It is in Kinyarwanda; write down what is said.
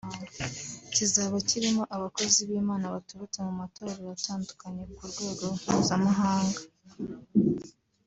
kizaba kirimo abakozi b’Imana baturutse mu matorero atandukanye ku rwego mpuzamahanga